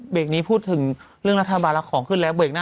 เบเมกนี้พูดถึงเรื่องรัฐบาละของขึ้นแล้วเบเมกหน้า